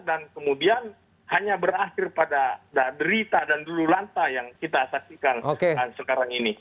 dan kemudian hanya berakhir pada derita dan lululanta yang kita saksikan sekarang ini